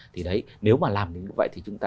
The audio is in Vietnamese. thì đấy nếu mà làm đến như vậy thì chúng ta